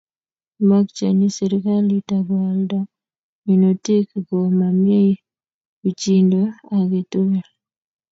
Kimakchini serikalit ko alda minutik ko mamie pichindo agetugul